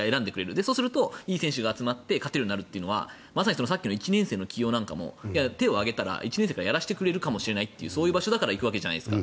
そうするといい選手が集まって勝てるようになるというのはさっきの１年生の起用なんかも手を挙げたら１年生からやらせてくれるかもしれないというそういう場所だから行くわけじゃないですか。